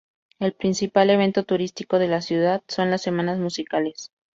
El principal evento turístico de la ciudad son las Semanas Musicales.